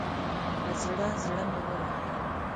پر زړه، زړه مې ووهئ